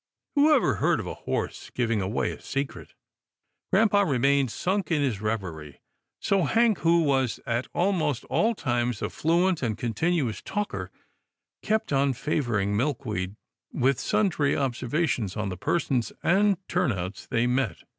Who ever heard of a horse giving away a secret ?" Grampa remained sunk in his reverie, so Hank, who was at almost all times a fluent and continuous talker, kept on favouring Milkweed with sundry ob servations on the persons and turnouts they met.